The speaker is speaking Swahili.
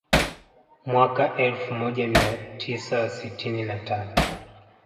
Mwaka elfu moja mia tisa sitini na tatu